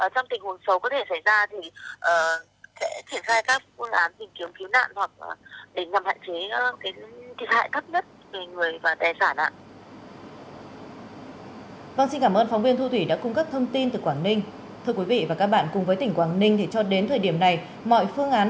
trong tình huống xấu có thể xảy ra thì sẽ triển khai các phương án tìm kiếm thiếu nạn